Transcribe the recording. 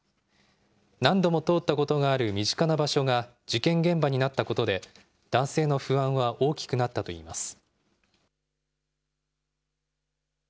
何度も通ったことがある身近な場所が事件現場になったことで、男性の不安は大きくなったといいます。